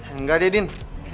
enggak deh din